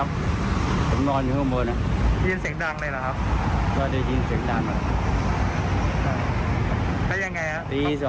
ก็ช่วยอะไรไม่ได้